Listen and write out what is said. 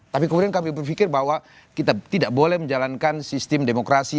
tapi kemudian kami berpikir bahwa kita tidak boleh menjalankan sistem demokrasi